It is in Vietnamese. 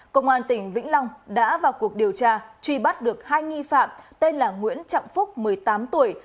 công an tỉnh vĩnh long đã vào cuộc điều tra truy bắt được hai nghi phạm tên là nguyễn trọng phúc một mươi tám tuổi